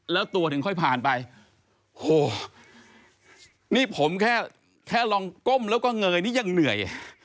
แล้วตัวถึงค่อยผ่านไปโอ้โหนี่ผมแค่แค่ลองก้มแล้วก็เงยนี่ยังเหนื่อย